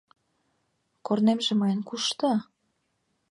Корнемже мыйын кушто?..